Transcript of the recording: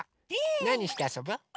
なにしてあそぶ？